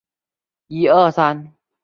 与刘胜同乡。